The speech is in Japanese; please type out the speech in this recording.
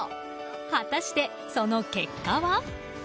果たして、その結果は。